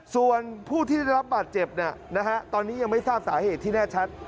ส่วนผู้ที่ได้รับบาดเจ็บตอนนี้ยังไม่ทราบสาเหตุที่แน่ชัด